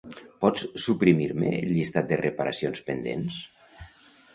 Pots suprimir-me el llistat de reparacions pendents?